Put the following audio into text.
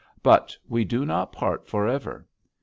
'But we do not part forever.